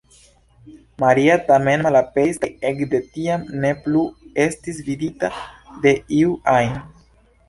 Maria tamen malaperis kaj ekde tiam ne plu estis vidita de iu ajn.